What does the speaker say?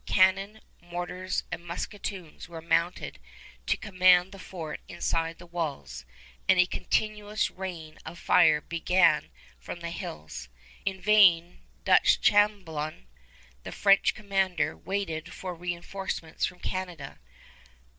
Cannon, mortars, and musketoons were mounted to command the fort inside the walls, and a continuous rain of fire began from the hills. In vain Duchambon, the French commander, waited for reënforcements from Canada.